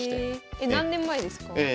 え何年前ですか？